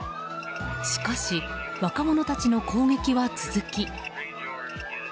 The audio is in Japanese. しかし、若者たちの攻撃は続き。